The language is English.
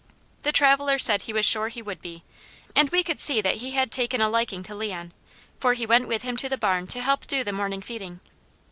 The traveller said he was sure he would be, and we could see that he had taken a liking to Leon, for he went with him to the barn to help do the morning feeding.